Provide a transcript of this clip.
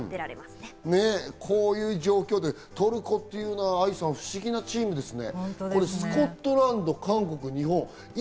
こういう状況でトルコっていうのは不思議なチームですね。